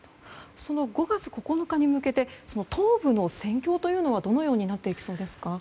その５月９日に向けて東部の戦況というのはどのようになっていきそうですか？